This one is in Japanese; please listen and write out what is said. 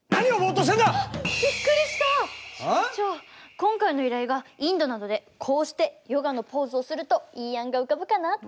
今回の依頼がインドなのでこうしてヨガのポーズをするといい案が浮かぶかなって。